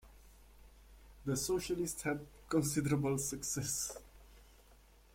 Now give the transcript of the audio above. The Socialists had considerable success.